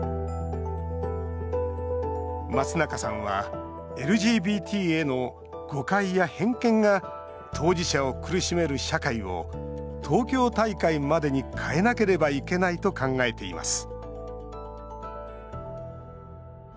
松中さんはＬＧＢＴへの誤解や偏見が当事者を苦しめる社会を東京大会までに変えなければいけないと考えています